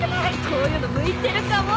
こういうの向いてるかも！